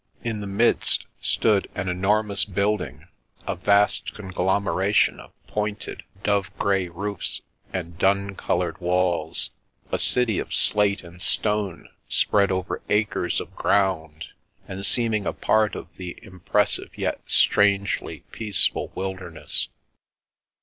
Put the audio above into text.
In the midst stood an enormous building, a vast conglom eration of pointed, dove grey roofs and dun col oured walls, a city of slate and stone spread over acres of ground and seeming a part of the impress ive yet strangely peaceful wilderness.